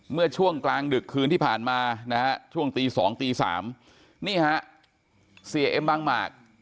เมื่อช่วงกลางดึกคืนที่ผ่านมานะฮะ